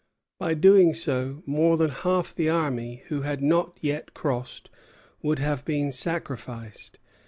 By doing so more than half the army, who had not yet crossed, would have been sacrificed.